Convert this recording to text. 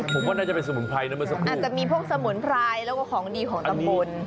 ผมว่าน่าจะเป็นสมุนไพรนะเมื่อสักครู่อาจจะมีพวกสมุนไพรแล้วก็ของดีของตำบล